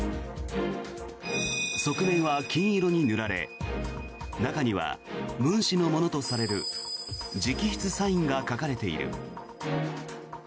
側面は金色に塗られ中はムン氏のものとされる直筆サインが書かれている。